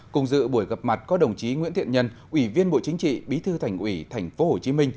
cùng dự buổi gặp mặt có đồng chí nguyễn thiện nhân ủy viên bộ chính trị bí thư thành ủy tp hcm